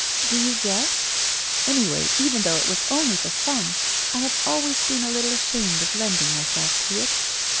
Do you guess ? Anyway, even though it was only for fun, I have always been a little ashamed of lending myself to it.'